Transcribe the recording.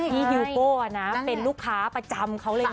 พี่ฮิวโก้เป็นลูกค้าประจำเขาเลยนะ